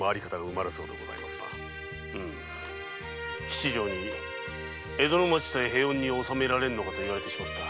七条に「江戸の町さえ平穏に治められんのか」と言われた。